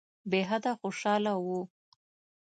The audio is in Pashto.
بېحده خوشاله وو.